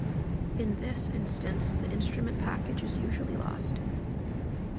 In this instance the instrument package is usually lost.